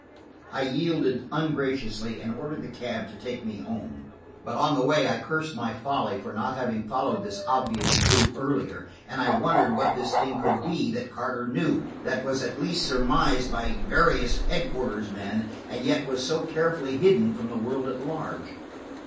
I yielded ungraciously and ordered the cab to take me home. But on the way I cursed my folly for not having followed this obvious clue earlier, and I wondered what this thing could be that Carter knew, that was at least surmised by various headquarters men, and yet was so carefully hidden from the world at large.